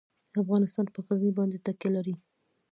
افغانستان په غزني باندې تکیه لري.